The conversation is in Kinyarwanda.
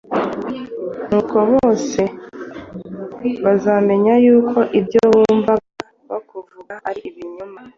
Nuko bose bazamenya yuko ibyo bumvaga bakuvuga ari ibinyoma: